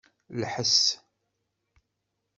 Lḥes.